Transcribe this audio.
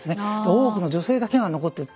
大奧の女性だけが残ってる。